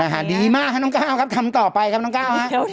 เซ็กซี่แบบน่ารักน่ารักนะฮะดีมากครับน้องก้าวครับ